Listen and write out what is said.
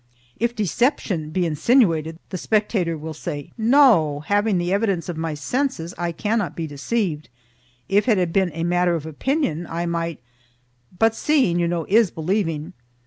If deception be insinuated, the spectator will say. "No! Having the evidence of my senses, I cannot be deceived; if it had been a matter of opinion I might, but seeing, you know, is believing."